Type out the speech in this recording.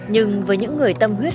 nhưng với những người tâm huyết